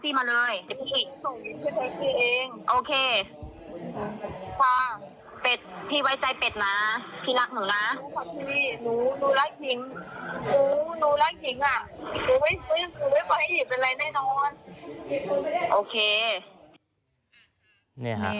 หนูไม่ปล่อยให้เห็นเป็นอะไรแน่นอน